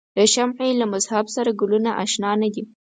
د شمعې له مذهب سره ګلونه آشنا نه دي.